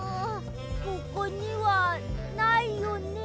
ここにはないよね？